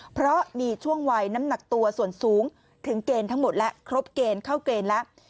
เพราะมีช่วงวัยน้ำหนักตัวส่วนสูงถึงเกณฑ์ทั้งหมดแล้วครบเกณฑ์เข้าเกณฑ์แล้ว